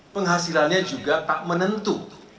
penghasilannya juga tak menentu